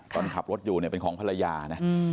ตอนขับรถอยู่เนี่ยเป็นของภรรยานะ